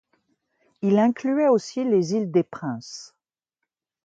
Il incluait aussi les îles des Princes.